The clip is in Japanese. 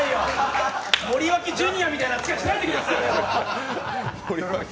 森脇ジュニアみたいな扱いしないでくださいよ！